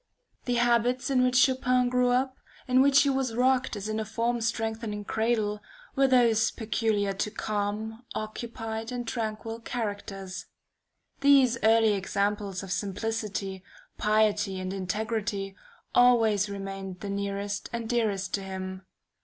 The habits in which Chopin grew up, in which he was rocked as in a form strengthening cradle, were those peculiar to calm, occupied, and tranquil characters. These early examples of simplicity, piety, and integrity, always remained the nearest and dearest to him.